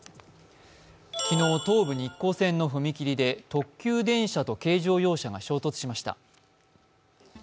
昨日、東武日光線の踏切で特急電車と軽乗用車が衝突しました。